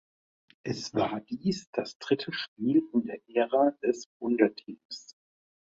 Es war dies das dritte Spiel in der Ära des Wunderteams.